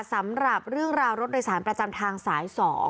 สำหรับเรื่องราวรถโดยสารประจำทางสาย๒